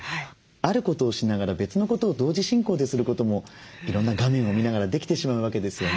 あることをしながら別のことを同時進行ですることもいろんな画面を見ながらできてしまうわけですよね。